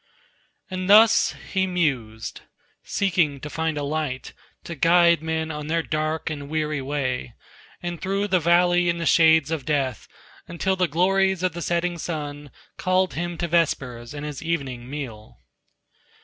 And thus he mused, seeking to find a light To guide men on their dark and weary way, And through the valley and the shades of death, Until the glories of the setting sun Called him to vespers and his evening meal.